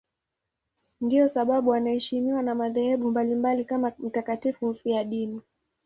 Ndiyo sababu anaheshimiwa na madhehebu mbalimbali kama mtakatifu mfiadini.